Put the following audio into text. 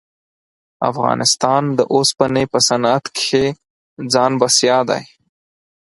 افغانستان د اوسپنې په صنعت کښې ځان بسیا دی.